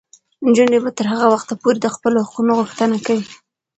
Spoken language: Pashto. نجونې به تر هغه وخته پورې د خپلو حقونو غوښتنه کوي.